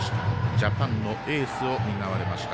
ジャパンのエースを担われました。